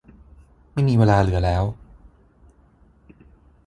ไม่มีเวลาเหลือแล้ว